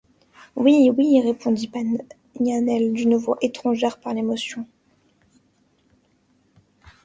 Oui! oui ! répondit Paganel d’une voix étranglée par l’émotion.